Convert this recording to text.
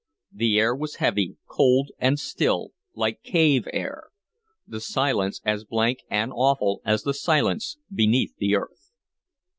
The air was heavy, cold, and still, like cave air; the silence as blank and awful as the silence beneath the earth.